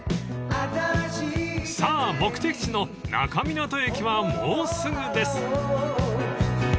［さあ目的地の那珂湊駅はもうすぐです］